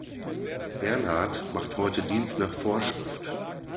Bernhard macht heute Dienst nach Vorschrift.